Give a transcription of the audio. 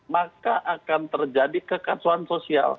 maka akan terjadi kekacauan sosial